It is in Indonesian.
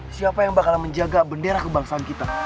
siapa yang bakalan menjaga bendera kebangsaan kita